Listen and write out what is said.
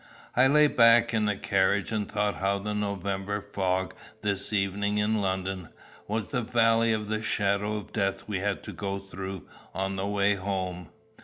I lay back in the carriage and thought how the November fog this evening in London, was the valley of the shadow of death we had to go through on the way _home.